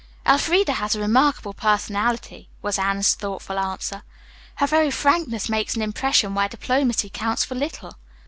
"Elfreda has a remarkable personality," was Anne's thoughtful answer. "Her very frankness makes an impression where diplomacy counts for little.